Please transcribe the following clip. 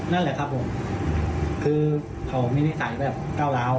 นั่นแหละครับผมคือเขามีนิสัยแบบก้าวร้าว